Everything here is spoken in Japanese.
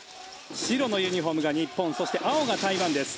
白のユニホームが日本青が台湾です。